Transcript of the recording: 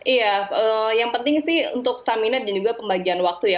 iya yang penting sih untuk stamina dan juga pembagian waktu ya